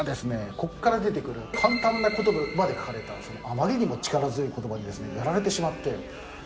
ここから出てくる簡単な言葉で書かれたあまりにも力強い言葉にですねやられてしまって。